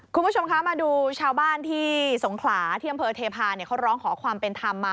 คุณผู้ชมคะมาดูชาวบ้านที่สงขลาเทพภาคมเขาร้องขอความเป็นธรรมมา